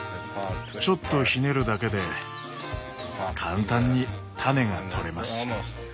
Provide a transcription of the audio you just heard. ちょっとひねるだけで簡単に種が取れます。